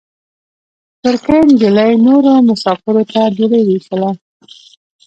ترکۍ نجلۍ نورو مساپرو ته ډوډۍ وېشله.